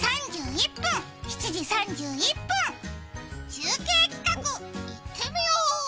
中継企画、いってみよう。